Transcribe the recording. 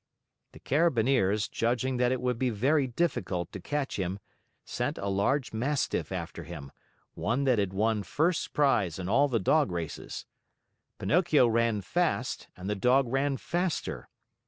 The Carabineers, judging that it would be very difficult to catch him, sent a large Mastiff after him, one that had won first prize in all the dog races. Pinocchio ran fast and the Dog ran faster.